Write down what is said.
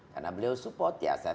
karena beliau support ya